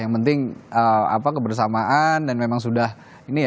yang penting kebersamaan dan memang sudah ini ya